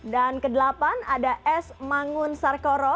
dan kedelapan ada s mangun sarkoro